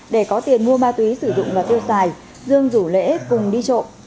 để có tiền mua ma túy sử dụng và tiêu xài dương rủ lễ cùng đi trộm